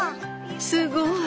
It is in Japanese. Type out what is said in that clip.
すごい。